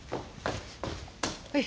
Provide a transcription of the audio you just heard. はい。